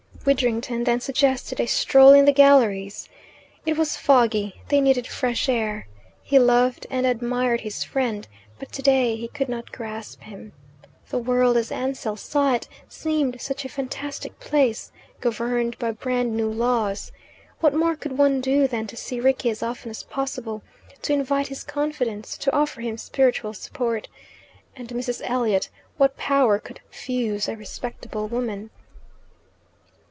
Widdrington then suggested a stroll in the galleries. It was foggy: they needed fresh air. He loved and admired his friend, but today he could not grasp him. The world as Ansell saw it seemed such a fantastic place, governed by brand new laws. What more could one do than to see Rickie as often as possible, to invite his confidence, to offer him spiritual support? And Mrs. Elliot what power could "fuse" a respectable woman?